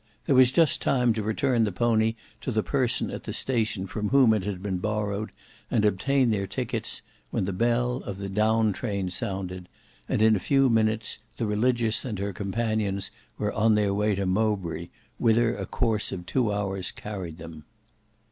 There was just time to return the pony to the person at the station from whom it had been borrowed, and obtain their tickets, when the bell of the down train sounded, and in a few minutes the Religious and her companions were on their way to Mowbray, whither a course of two hours carried them.